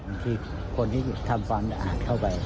ที่คนที่ทำความสะอาดเข้าไป